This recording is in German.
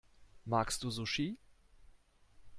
Magst du Sushi?